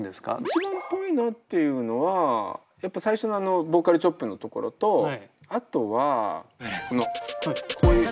一番っぽいなっていうのはやっぱ最初のボーカルチョップのところとあとはこのこういう。